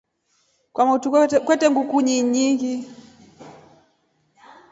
Kaa kwamotru kwetre nguku veengi.